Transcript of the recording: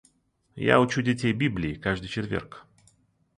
Я учу детей Библии каждый четверг.